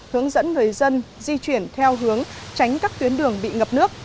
hướng dẫn người dân di chuyển theo hướng tránh các tuyến đường bị ngập nước